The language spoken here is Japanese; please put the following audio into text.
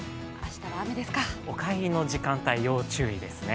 お帰りの時間帯要注意ですね。